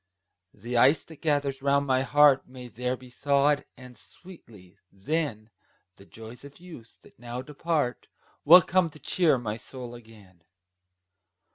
The ice that gathers round my heart May there be thawed; and sweetly, then, The joys of youth, that now depart, Will come to cheer my soul again.